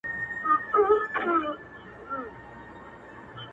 په غم کي، د انا غم غيم.